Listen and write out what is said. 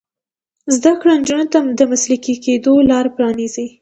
زده کړه نجونو ته د مسلکي کیدو لار پرانیزي.